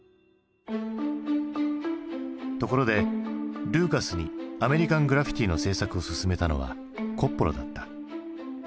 ところでルーカスに「アメリカン・グラフィティ」の製作を勧めたのはコッポラだった。